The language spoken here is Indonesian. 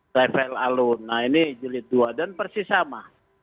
saifel alun nah ini jelit dua dan persis sama